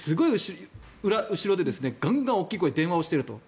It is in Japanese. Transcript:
後ろでガンガン大きい声で電話をしていると。